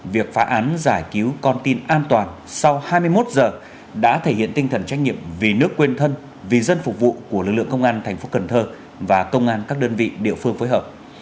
việc phá án giải cứu con tin an toàn sau hai mươi một giờ đã thể hiện tinh thần trách nhiệm vì nước quên thân vì dân phục vụ của lực lượng công an thành phố cần thơ và công an các đơn vị địa phương phối hợp